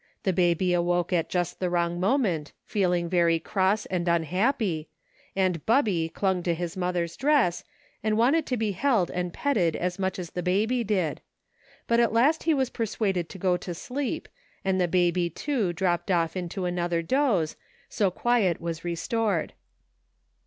The baby awoke at just the wrong moment, feeling very cross and unhappy, and " Bubby " clung to his mother's dress, and wanted to be held and petted as much as the baby did ; but at last he was persuaded to go to sleep, and the baby too dropped off into another doze, so quiet was restored.